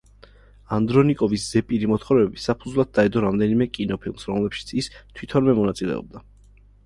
ანდრონიკოვის ზეპირი მოთხრობები საფუძვლად დაედო რამდენიმე კინოფილმს, რომლებშიც ის თვითონვე მონაწილეობდა.